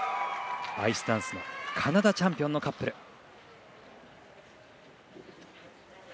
アイスダンスのカナダチャンピオンのカップル。